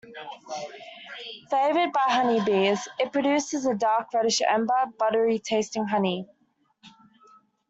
Favored by honeybees, it produces a dark reddish amber buttery tasting honey.